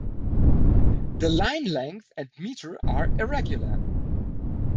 The line length and metre are irregular.